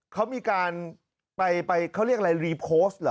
เขามีการไปเขาเรียกอะไรรีโพสต์เหรอ